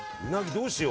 どうしよう？